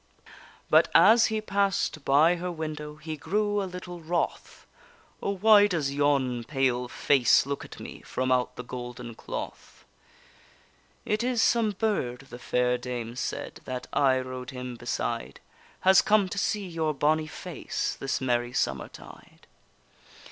But as he pass'd by her window He grew a little wroth: O, why does yon pale face look at me From out the golden cloth? It is some burd, the fair dame said, That aye rode him beside, Has come to see your bonny face This merry summer tide.